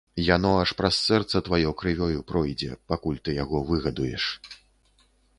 Яно аж праз сэрца тваё крывёю пройдзе, пакуль ты яго выгадуеш.